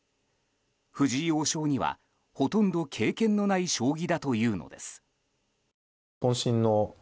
藤井王将には、ほとんど経験のない将棋だというのです。